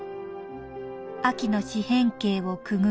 秋の四辺形をくぐり